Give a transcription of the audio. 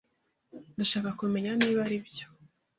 Ndashaka kumenya niba aribyo.